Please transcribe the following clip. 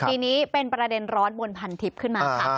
ทีนี้เป็นประเด็นร้อนบนพันทิพย์ขึ้นมาค่ะ